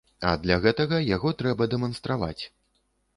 А для гэтага яго трэба дэманстраваць.